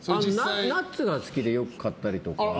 ナッツが好きでよく買ったりとか。